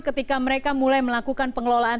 ketika mereka mulai melakukan pengelolaan